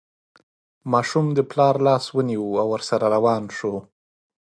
ماشوم د پلار لاس ونیو او ورسره روان شو.